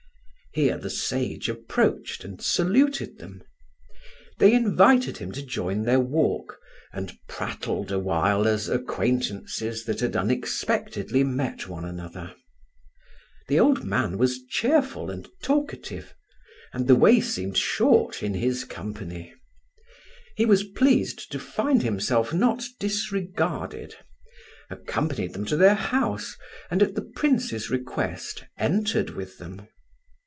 Here the sage approached and saluted them. They invited him to join their walk, and prattled awhile as acquaintance that had unexpectedly met one another. The old man was cheerful and talkative, and the way seemed short in his company. He was pleased to find himself not disregarded, accompanied them to their house, and, at the Prince's request, entered with them.